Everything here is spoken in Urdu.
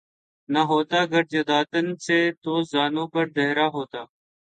نہ ہوتا گر جدا تن سے تو زانو پر دھرا ہوتا